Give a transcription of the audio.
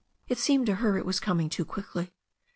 It seemed to her it was coming too quickly.